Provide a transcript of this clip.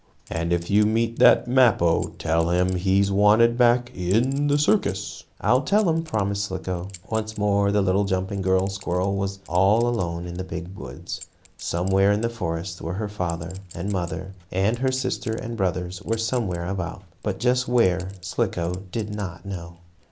And if you meet that Mappo, tell him he is wanted back in the circus." "I'll tell him," promised Slicko. Once more the little jumping girl squirrel was all alone in the big woods. Somewhere in the forest were her father and mother, and her sister and brothers were somewhere about. But just where, Slicko did not know.